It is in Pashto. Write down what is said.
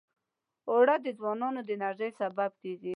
اوړه د ځوانانو د انرژۍ سبب دي